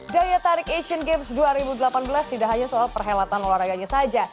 daya tarik asian games dua ribu delapan belas tidak hanya soal perhelatan olahraganya saja